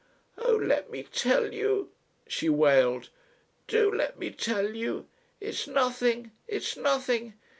"Oh! let me tell you," she wailed. "Do let me tell you. It's nothing. It's nothing.